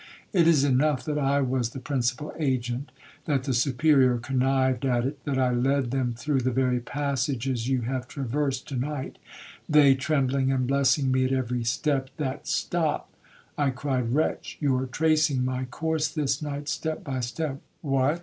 It is enough that I was the principal agent,—that the Superior connived at it,—that I led them through the very passages you have traversed to night, they trembling and blessing me at every step,—that—' 'Stop,' I cried; 'wretch! you are tracing my course this night step by step.'—'What?'